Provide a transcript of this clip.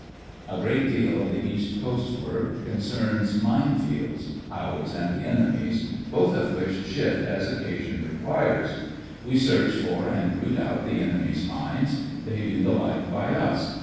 A great deal of the East Coast work concerns mine fields — ours and the enemy's — both of which shift as occasion requires. We search for and root out the enemy's mines; they do the like by us.